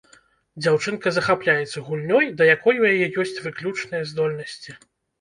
Дзяўчынка захапляецца гульнёй, да якой у яе ёсць выключныя здольнасці.